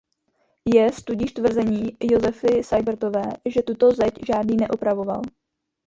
Jest tudíž tvrzení Josefy Sajbrtové, že tuto zeď „žádný“ neopravoval.